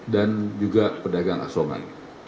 dan juga pedagang asongan